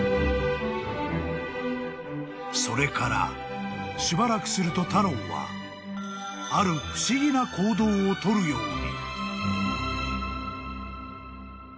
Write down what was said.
［それからしばらくするとタローはある不思議な行動を取るように］